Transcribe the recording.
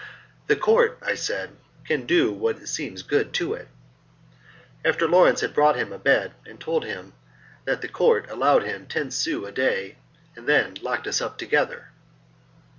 "The Court," I said, "can do what seems good to it." After Lawrence had brought him a bed he told him that the Court allowed him ten sous a day, and then locked us up together.